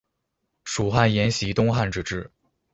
蜀汉沿袭东汉之制。